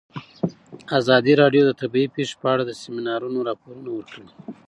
ازادي راډیو د طبیعي پېښې په اړه د سیمینارونو راپورونه ورکړي.